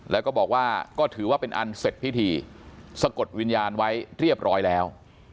แล้วก็บอกว่าก็ถือว่าเป็นอันเสร็จพิธีสะกดวิญญาณไว้เรียบร้อยแล้ว